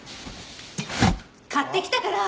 買ってきたから！